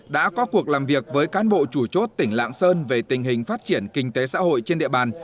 đã có cuộc làm việc với cán bộ chủ chốt tỉnh lạng sơn về tình hình phát triển kinh tế xã hội trên địa bàn